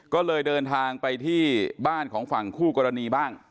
ก็เลยเดินทางไปที่บ้านของฝั่งคู่กรณีบ้าง